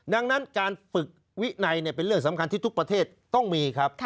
ดังนั้นการฝึกวินัยเป็นเรื่องสำคัญที่ทุกประเทศต้องมีครับ